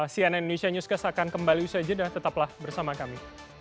cnn indonesia newscast akan kembali usai jeda tetaplah bersama kami